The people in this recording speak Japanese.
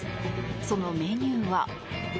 そのメニューは。